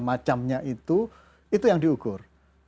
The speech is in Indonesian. macamnya itu itu yang diukur